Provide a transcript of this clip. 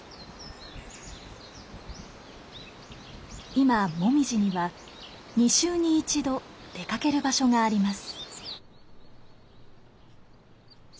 今もみじには２週に１度出かける場所があります。